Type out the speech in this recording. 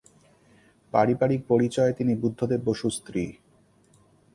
পারিবারিক পরিচয়ে তিনি বুদ্ধদেব বসুর স্ত্রী।